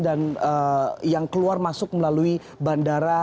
dan yang keluar masuk melalui bandara